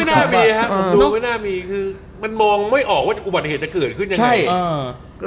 น่ามีครับผมดูไม่น่ามีคือมันมองไม่ออกว่าอุบัติเหตุจะเกิดขึ้นยังไง